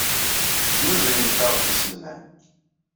Tesnuzuyemt-aɣ-d iselman.